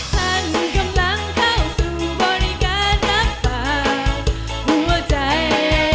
ท่านกำลังเข้าสู่บริการรับปากหัวใจ